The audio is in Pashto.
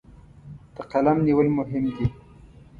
د قلم نیول مهم دي.